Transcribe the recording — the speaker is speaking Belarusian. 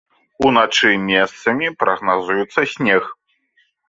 Уначы месцамі прагназуецца снег.